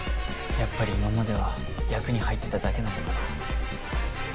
やっぱり今までは役に入ってただけなのかな。